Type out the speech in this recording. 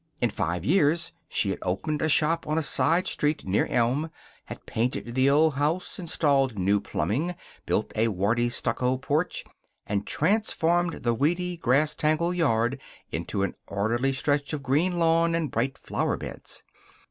In five years she had opened a shop on a side street near Elm, had painted the old house, installed new plumbing, built a warty stucco porch, and transformed the weedy, grass tangled yard into an orderly stretch of green lawn and bright flower beds.